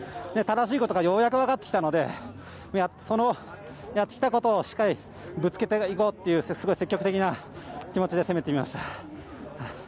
正しいことがようやく分かってきたのでそのやってきたことをしっかりとぶつけていこうというすごい積極的な気持ちで攻めてみました。